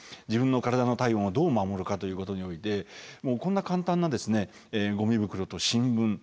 自分の体の体温をどう守るかということにおいてこんな簡単なゴミ袋と新聞